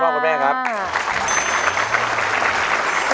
ประมาณนั้นค่ะ